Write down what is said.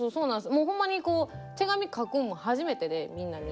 もうほんまにこう手紙書くのも初めてでみんなに。